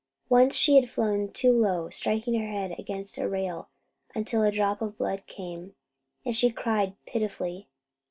Once she had flown too low, striking her head against a rail until a drop of blood came, and she cried pitifully.